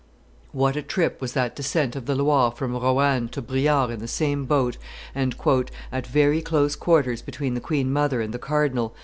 What a trip was that descent of the Loire from Roanne to Briare in the same boat and "at very close quarters between the queen mother and the cardinal!"